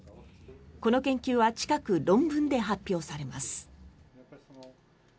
この研究は近く、論文で発表されます。